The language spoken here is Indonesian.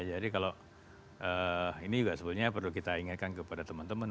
jadi kalau ini juga sebetulnya perlu kita ingatkan kepada teman teman